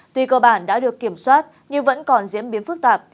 tuy cơ bản đã được kiểm soát nhưng vẫn còn diễn biến phức tạp